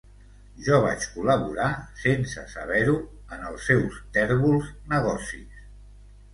Jo vaig col·laborar, sense saber-ho, en els seus tèrbols negocis...